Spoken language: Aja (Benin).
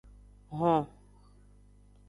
Hon.